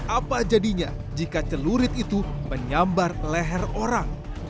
apa jadinya jika celurit itu menyambar leher orang